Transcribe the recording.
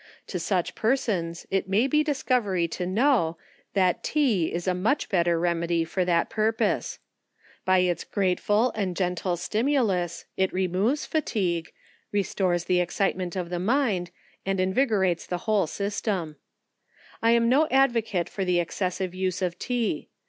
To such persons it may be a discovery to know, that tea is a much bet ter remedy for that purpose. By its grateful and gentle stimulus, it removes fatigue, restores the excitement of the mind, and invigorates the whole system. I am no advocate for the excessive use of tea.